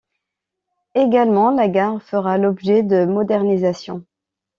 Également, la gare fera l'objet de modernisation.